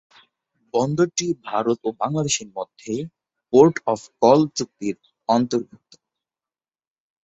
বন্দরটি ভারত ও বাংলাদেশের মধ্যে "পোর্ট অফ কল" চুক্তির অন্তর্ভুক্ত।